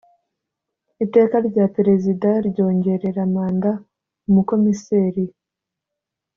Iteka rya Perezida ryongerera manda Umukomiseri